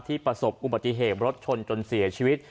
ประสบอุบัติเหตุรถชนจนเสียชีวิต